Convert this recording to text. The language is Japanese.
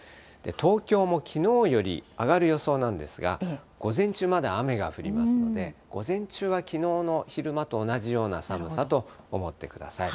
東京もきのうより上がる予想なんですが、午前中まだ雨が降りますので、午前中はきのうの昼間と同じような寒さと思ってください。